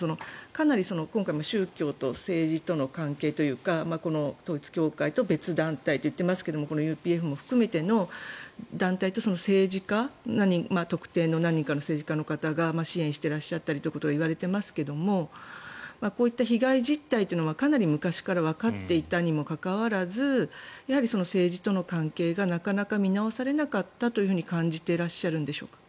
かなり今回も宗教と政治との関係というかこの統一教会と別団体といっていますがＵＰＦも含めての団体と政治家特定の何人かの政治家の方が支援していらっしゃったりということが言われていますがこういった被害実態というのはかなり昔からわかっていたにもかかわらず政治との関係がなかなか見直されなかったと感じていらっしゃるんでしょうか。